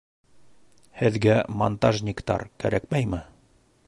Һеҙгә монтажниктар кәрәкмәйме?